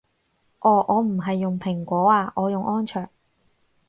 哦我唔係用蘋果啊我用安卓